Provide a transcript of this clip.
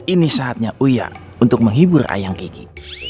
ini saatnya uya untuk menghibur ayang kiki